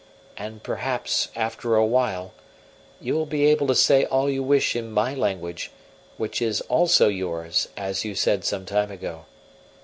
And perhaps, after a while, you will be able to say all you wish in my language, which is also yours, as you said some time ago.